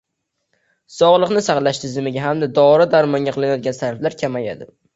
sog‘liqni saqlash tizimiga hamda dori-darmonga qilinayotgan sarflar kamayadi